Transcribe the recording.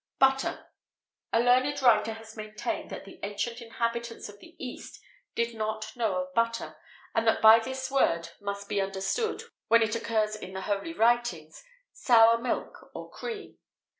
[XVIII 20] BUTTER. A learned writer[XVIII 21] has maintained that the ancient inhabitants of the east did not know of butter, and that by this word must be understood, when it occurs in the holy writings, sour milk or cream.